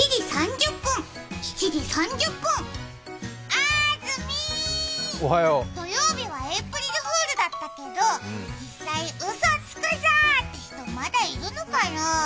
あずみー、土曜日はエイプリルフールだったけど、実際うそつくぞって人まだいるのかな？